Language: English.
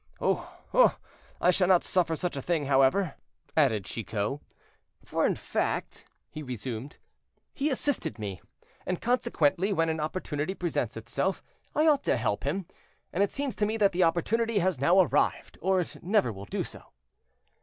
"Oh! oh! I shall not suffer such a thing, however," added Chicot. "For in fact," he resumed, "he assisted me; and consequently, when an opportunity presents itself, I ought to help him. And it seems to me that the opportunity has now arrived, or it never will do so."